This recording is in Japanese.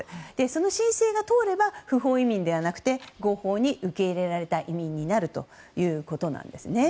その申請が通れば不法移民ではなくて合法に受け入れられた移民になるということなんですね。